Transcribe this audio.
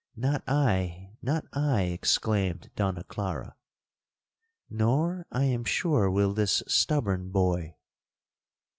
'—'Not I!—not I!' exclaimed Donna Clara; 'nor, I am sure, will this stubborn boy.